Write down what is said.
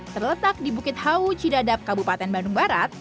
terletak di bukit hau cidadap kabupaten bandung barat